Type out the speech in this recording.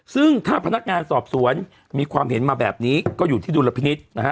ซึ่งถ้าพนักงานสอบสวนมีความเห็นมาแบบนี้ก็อยู่ที่ดุลพินิษฐ์นะฮะ